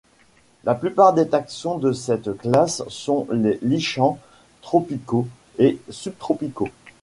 La plupart des taxons de cette classe sont des lichens tropicaux ou subtropicaux.